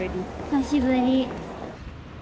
久しぶり。